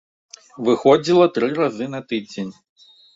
Выходзіла тры разы на тыдзень.